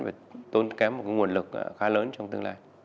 phải tốn kém một cái nguồn lực khá lớn trong tương lai